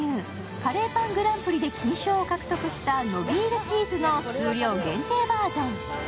カレーパングランプリで金賞を獲得したのびーるチーズの数量限定バージョン。